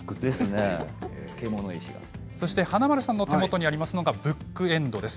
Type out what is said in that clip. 華丸さんの手元にありますのは、ブックエンドです。